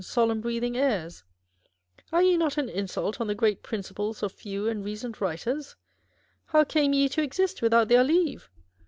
solemn breathing airs, are ye not an insult on the great principles of " few and recent writers ?" How came ye to exist without their leave?